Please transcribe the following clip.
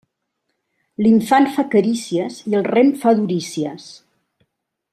L'infant fa carícies i el rem fa durícies.